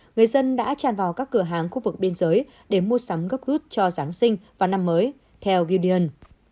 người dân đã tràn vào các cửa hàng khu vực biên giới để mua sắm gấp gút cho giáng sinh và năm mới theo gudion